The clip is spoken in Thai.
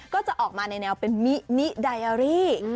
ก็จะออกมาในแนวเป็นมินิไดอารี่